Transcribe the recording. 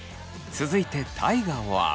続いて大我は。